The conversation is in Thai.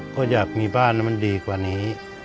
เพราะอยากมีบ้านมันดีกว่านี้